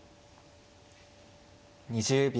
２０秒。